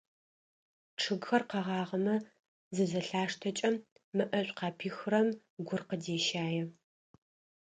Чъыгхэр къэгъагъэмэ зызэлъаштэкӏэ, мэӏэшӏоу къапихырэм гур къыдещае.